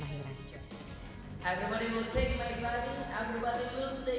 semua orang akan mengambil kaki saya semua orang akan mengatakan bahasa inggris